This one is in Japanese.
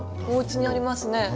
おうちにありますね。